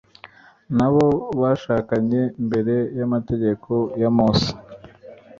n'abo bashakanye mbere y'amategeko ya mose